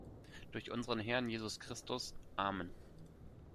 Durch unseren Herrn Jesus Christus… Amen.